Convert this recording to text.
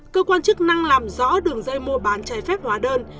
cơ quan chức năng làm rõ đường dây mua bán trái phép hóa đơn